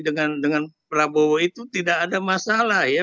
dengan prabowo itu tidak ada masalah ya